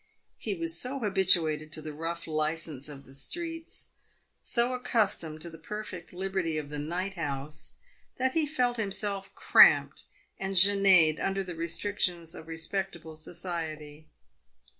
He was so habituated to the rough licence of the streets, so accustomed to the perfect liberty of the night house, that he felt himself cramped and gene'd under the restrictions of respectable society.